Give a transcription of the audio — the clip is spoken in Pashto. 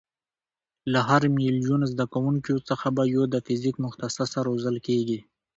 له هر میلیون زده کوونکیو څخه به یو د فیزیک متخصصه روزل کېږي.